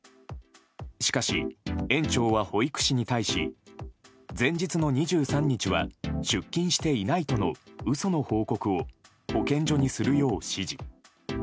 しかし、園長は保育士に対し前日の２３日は出勤していないとの嘘の報告を保健所にするよう指示。